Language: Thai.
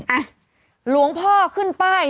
อ่ะหลวงพ่อขึ้นป้าย